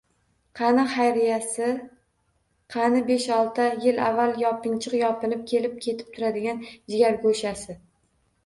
Qani Xayriyasi? Qani, besh-olti yil avval yopinchiq yopinib kelib- ketib turadigan jigargo'shasi?